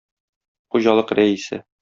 Хуҗалык рәисе.